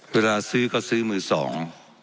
เวลาซื้อก็ซื้อมือสอง